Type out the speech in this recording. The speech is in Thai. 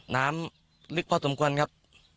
น้ำลึกพอสมควรครับ